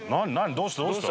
どうした？